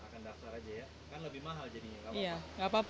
kan lebih mahal jadinya nggak apa apa